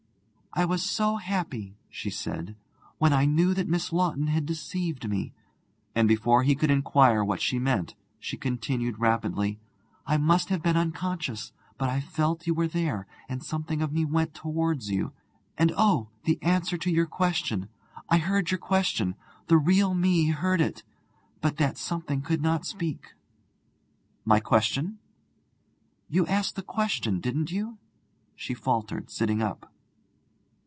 'I was so happy,' she said, 'when I knew that Miss Lawton had deceived me.' And before he could inquire what she meant, she continued rapidly: 'I must have been unconscious, but I felt you were there, and something of me went out towards you. And oh! the answer to your question I heard your question; the real me heard it, but that something could not speak.' 'My question?' 'You asked a question, didn't you?' she faltered, sitting up.